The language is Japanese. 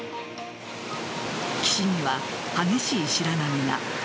岸には激しい白波が。